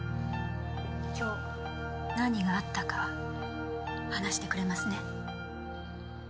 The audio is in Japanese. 今日何があったか話してくれますね？